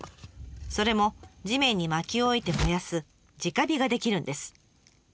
それも地面に薪を置いて燃やす「直火」ができるんです。